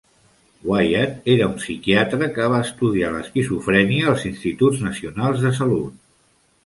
Wyatt era un psiquiatre que va estudiar l'esquizofrènia als Instituts Nacionals de Salut.